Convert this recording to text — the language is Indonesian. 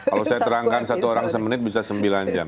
kalau saya terangkan satu orang semenit bisa sembilan jam